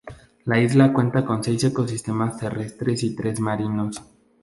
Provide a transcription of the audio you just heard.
La isla cuenta con seis ecosistemas terrestres y tres marinos.